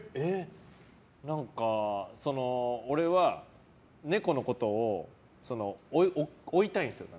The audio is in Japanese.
何か、俺は猫のことを追いたいんですよ。